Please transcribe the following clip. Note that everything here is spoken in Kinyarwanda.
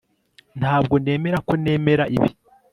Ntabwo nemera ko nemera ibi